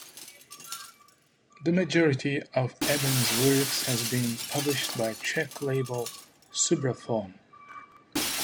The majority of Eben's works has been published by Czech label Supraphon.